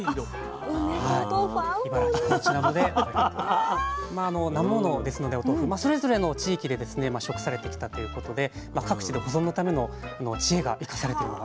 まあなま物ですのでお豆腐それぞれの地域で食されてきたということで各地で保存のための知恵が生かされてるのが。